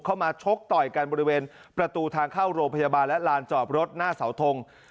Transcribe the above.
มาชกต่อยกันบริเวณประตูทางเข้าโรงพยาบาลและลานจอบรถหน้าเสาทง